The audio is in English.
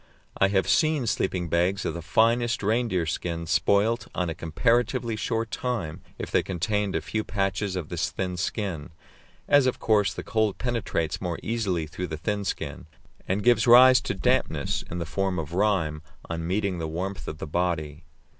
I have seen sleeping bags of the finest reindeer skin spoilt in a comparatively short time if they contained a few patches of this thin skin, as of course the cold penetrates more easily through the thin skin, and gives rise to dampness in the form of rime on meeting the warmth of the body.